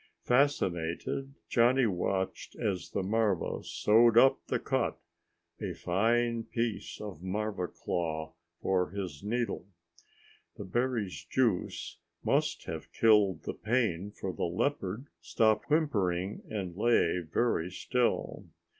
Fascinated, Johnny watched as the marva sewed up the cut a fine piece of marva claw for his needle. The berry's juice must have killed the pain for the leopard stopped whimpering and lay very still.